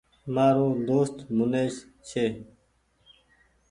مآرو دوست منيش ڇي